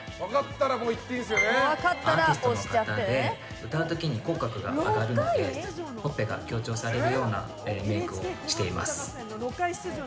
アーティストの方で歌う時に口角が上がるのでほっぺが強調されるようなメイクをしています。